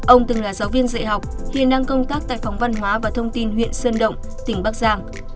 ông từng là giáo viên dạy học hiện đang công tác tại phòng văn hóa và thông tin huyện sơn động tỉnh bắc giang